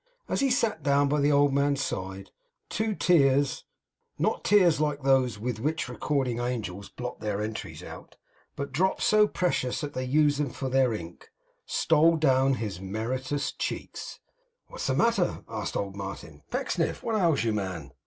As he sat down by the old man's side, two tears not tears like those with which recording angels blot their entries out, but drops so precious that they use them for their ink stole down his meritorious cheeks. 'What is the matter?' asked old Martin. 'Pecksniff, what ails you, man?